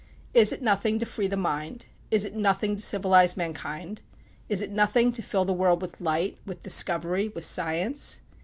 Is it nothing to free the mind? Is it nothing to civilize mankind? Is it nothing to fill the world with light, with discovery, with science?